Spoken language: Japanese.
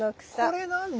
これ何だ？